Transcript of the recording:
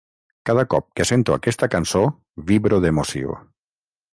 Cada cop que sento aquesta cançó vibro d'emoció.